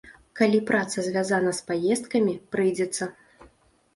Калі праца звязана з паездкамі, прыйдзецца.